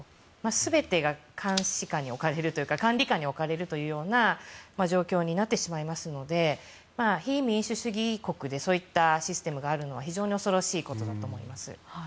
全てが監視下に置かれるというか管理下に置かれるというような状況になってしまいますので非民主主義国でそういったシステムがあることは非常に恐ろしいことだと思います。